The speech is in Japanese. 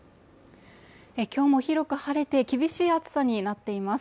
今日も広く晴れて厳しい暑さになっています